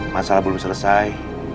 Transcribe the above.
masalah belum selesai